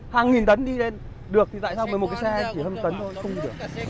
hàng một tấn đi lên được thì tại sao một cái xe chỉ hơn một tấn thôi không được